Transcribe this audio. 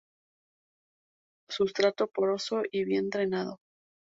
Sustrato poroso y bien drenado.